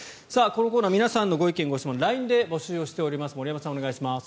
このコーナー皆さんのご意見・ご質問をＬＩＮＥで募集しています。